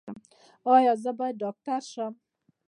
ایا زه باید ډاکټر شم؟